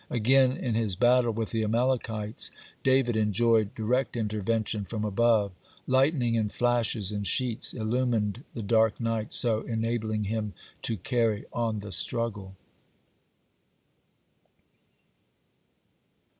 (49) Again, in his battle with the Amalekites, David enjoyed direct intervention from above. Lightning in flashes and sheets illumined the dark night, so enabling him to carry on the struggle.